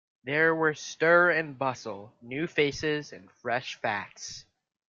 There were stir and bustle, new faces, and fresh facts.